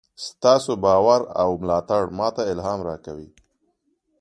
ستاسو باور او ملاتړ ماته الهام راکوي.